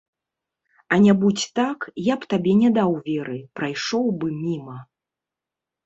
А не будзь так, я б табе не даў веры, прайшоў бы міма.